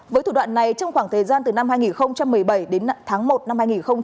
với thủ đoạn này trong khoảng thời gian từ năm hai nghìn một mươi bảy đến tháng một năm hai nghìn hai mươi